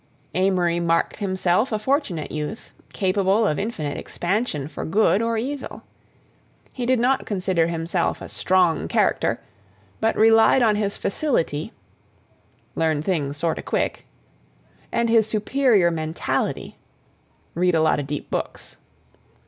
Amory marked himself a fortunate youth, capable of infinite expansion for good or evil. He did not consider himself a "strong char'c'ter," but relied on his facility (learn things sorta quick) and his superior mentality (read a lotta deep books).